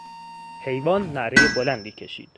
حیوان نعرهی بلندی کشید.